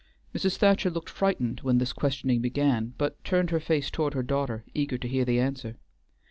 Mrs. Thacher looked frightened when this questioning began, but turned her face toward her daughter, eager to hear the answer.